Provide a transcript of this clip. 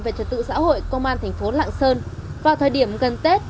về trật tự xã hội công an thành phố lạng sơn vào thời điểm gần tết